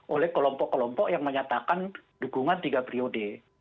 oleh kelompok kelompok yang menyatakan dukungan tiga periode